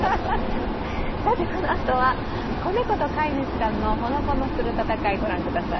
このあとは子猫と飼い主さんのほのぼのする闘い、ご覧ください。